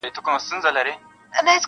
زه په خپل ځان کي بندي د خپل زندان یم-